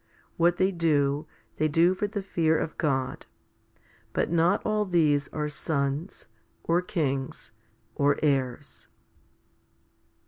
What they do, they do for the fear of God; but not all these are sons, or kings, or heirs.